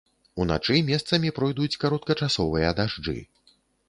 Уначы месцамі пройдуць кароткачасовыя дажджы.